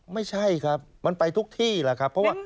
ไม่ใช่ครับมันไปทุกที่แหละครับเพราะว่า